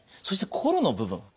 そして心の部分。